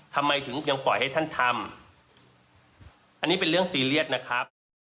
ทำไมถึงยังปล่อยให้ท่านทำอันนี้เป็นเรื่องซีเรียสนะครับ